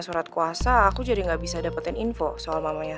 sampai jumpa di video selanjutnya